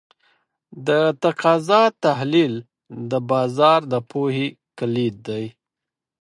د تقاضا تحلیل د بازار د پوهې کلید دی.